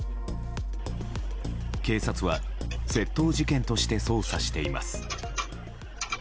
警察は窃盗事件として捜査しています。